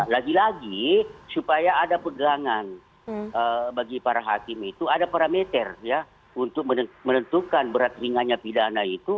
lagi lagi supaya ada pederangan bagi para hakim itu ada parameter ya untuk menentukan berat ringannya pidana itu